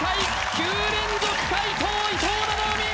９連続解答伊藤七海